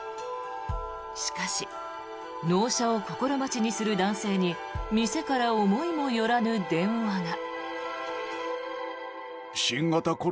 しかし納車を心待ちにする男性に店から思いもよらぬ電話が。